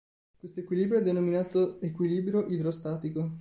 Questo equilibrio è denominato equilibrio idrostatico.